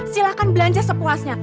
silakan belanja sepuasnya